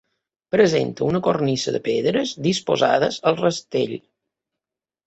Presenta una cornisa de pedres disposades al rastell.